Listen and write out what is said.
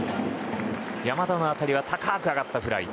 山田の当たりは高く上がったフライ。